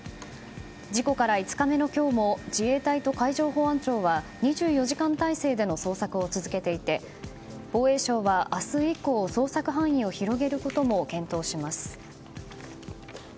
事故から５日目の今日も自衛隊と海上保安庁は２４時間態勢での捜索を続けていて防衛省は明日以降、捜索範囲を広げることも検討します。